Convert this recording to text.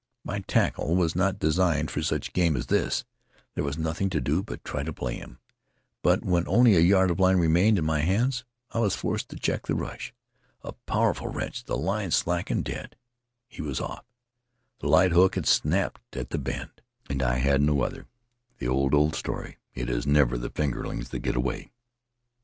My tackle was not designed for such game as this — there was nothing to do but try to play him; but when only a yard of line remained in my hands I was forced to check the rush. A powerful wrench, the line slackened dead, he was off, the light hook had snapped at the bend — and I had no other! The old, old story — it is never the fingerlings that get away.